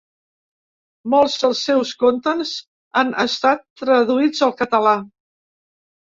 Molts dels seus contes han estat traduïts al català.